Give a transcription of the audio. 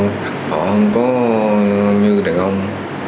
dạ thì thấy phụ nữ họ không có như đàn ông